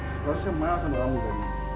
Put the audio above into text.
seharusnya mahasiswa kamu tadi